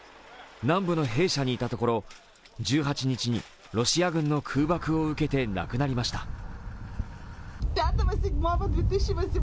南部の兵舎にいたところ、１８日にロシア軍の空爆を受けて亡くなりました。